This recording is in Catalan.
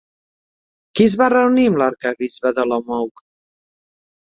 Qui es va reunir amb l'arquebisbe d'Olomouc?